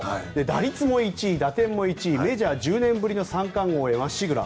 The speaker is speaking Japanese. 打率も１位、打点も１位メジャー１０年ぶりの３冠王へまっしぐら。